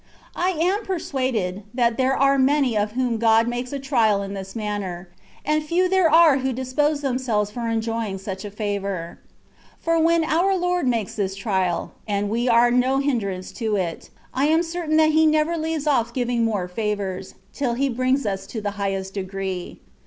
I am persuaded, that there are many of whom God msdces a trial in this manner, and few there are who dispose themselves for enjoying such a favour. For when our Lord makes this trial, and we are no hinderance to it, I am certain that He never leaves off giving more favours, till He brings us to the highest degree.